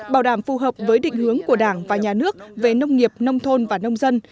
bảo đảm phù hợp với định hướng của đảng và nhà nước về nông nghiệp nông thôn và nông dân